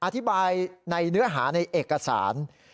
อธิบายในเนื้อหาในเอกสาร